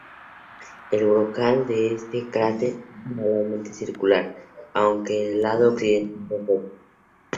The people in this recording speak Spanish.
El brocal de este cráter es generalmente circular, aunque el lado occidental es recto.